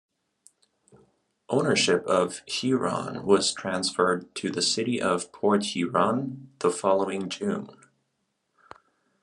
Ownership of "Huron" was transferred to the City of Port Huron the following June.